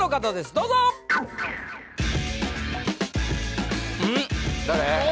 どうぞうん誰？